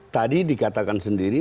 tadi dikatakan sendiri